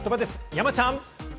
山ちゃん！